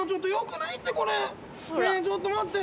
ねえちょっと待って。